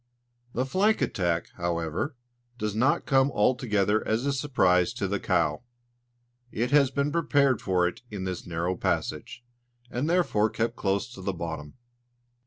The flank attack, however, does not come altogether as a surprise to the "cow"; it has been prepared for it in this narrow passage, and therefore kept close to the bottom.